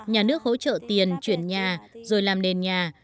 nhà nước hỗ trợ tiền chuyển nhà rồi làm nền nhà